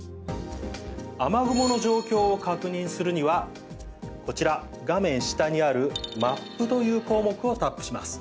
雨雲の状況を確認するにはこちら画面下にあるマップという項目をタップします。